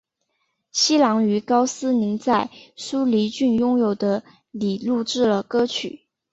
希兰于高斯林在舒梨郡拥有的里录制了歌曲。